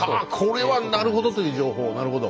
これはなるほどという情報なるほど。